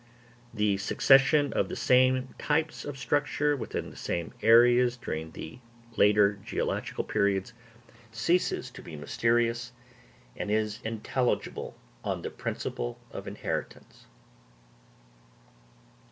The succession of the same types of structure within the same areas during the later geological periods ceases to be mysterious, and is intelligible on the principle of inheritance.